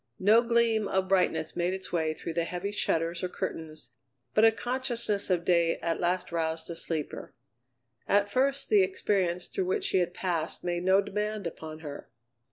No gleam of brightness made its way through the heavy shutters or curtains, but a consciousness of day at last roused the sleeper. At first the experience through which she had passed made no demand upon her.